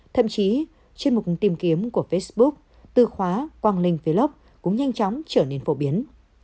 thậm chí trên một tìm kiếm của facebook tư khóa quang linh vlog cũng nhanh chóng trở nên phổ biến